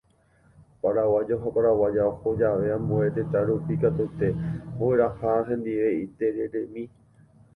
Paraguayo ha paraguaya oho jave ambue tetã rupi katuete ogueraha hendive itereremi.